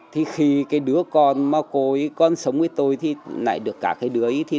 thì khi cái đứa con mà cô ấy còn sống với tôi thì lại được cả cái đứa ấy